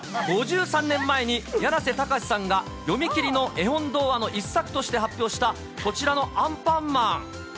５３年前にやなせたかしさんが、読み切りの絵本童話の一作として発表したこちらのアンパンマン。